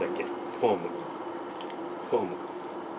フォーム。